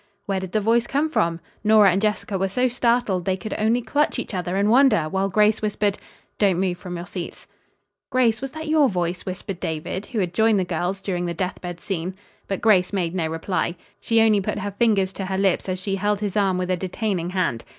Where did the voice come from? Nora and Jessica were so startled they could only clutch each other and wonder, while Grace whispered: "Don't move from your seats." "Grace, was that your voice?" whispered David, who had joined the girls during the death bed scene. But Grace made no reply. She only put her finger to her lips as she held his arm with a detaining hand.